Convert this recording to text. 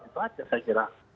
itu saja saya kira